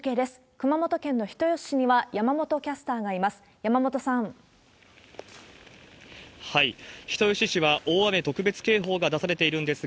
熊本県の人吉市には山本キャスターがいます。